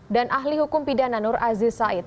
ahli hukum pidana nur aziz said